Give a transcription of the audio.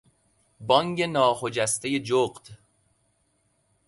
بانگ ناخجسته جغد